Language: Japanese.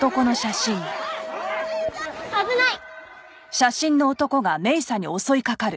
危ない！